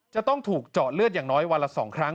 จะต้องถูกเจาะเลือดอย่างน้อยวันละ๒ครั้ง